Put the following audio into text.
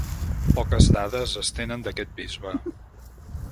Poques dades es tenen d'aquest bisbe.